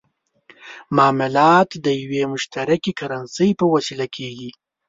معاملات د یوې مشترکې کرنسۍ په وسیله کېږي.